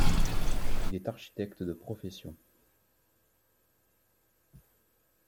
Il est architecte de profession.